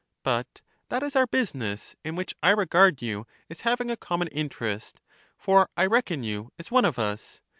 But that is our business, in which I regard you as having a common interest; for I reckon you as one of us.